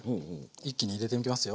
一気に入れていきますよ。